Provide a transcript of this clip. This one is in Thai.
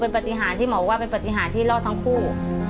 มัลว่าเป็นปฏิหารที่ลอดทั้งคู่